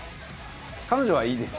「彼女はいいです！